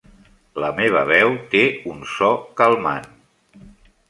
La meva veu té un so calmant.